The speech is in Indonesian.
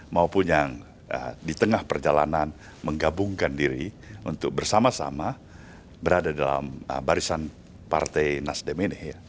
maupun yang di tengah perjalanan menggabungkan diri untuk bersama sama berada dalam barisan partai nasdem ini